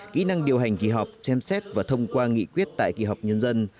kỹ năng điều hành kỳ họp xem xét và thông qua nghị quyết tại kỳ họp nhân dân